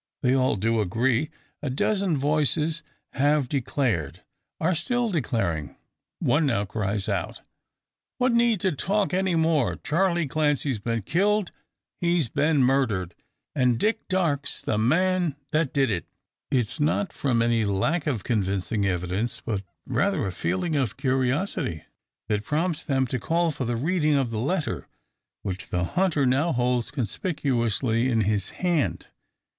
They all do agree. A dozen voices have declared, are still declaring that. One now cries out "What need to talk any more? Charley Clancy's been killed he's been murdered. An' Dick Darke's the man that did it!" It is not from any lack of convincing evidence, but rather a feeling of curiosity, that prompts them to call for the reading of the letter, which the hunter now holds conspicuously in his hand.